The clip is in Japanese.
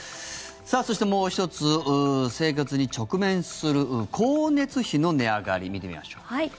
そして、もう１つ生活に直面する光熱費の値上がり見てみましょう。